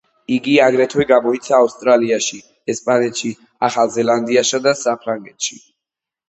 იგი აგრეთვე გამოიცა ავსტრალიაში, ესპანეთში, ახალ ზელანდიასა და საფრანგეთში.